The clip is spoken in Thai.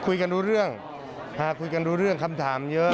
คุยกันรู้เรื่องหาคุยกันรู้เรื่องคำถามเยอะ